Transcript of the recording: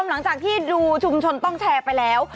หลังจากที่ดูชุมชนต้องแชร์ไปแล้ว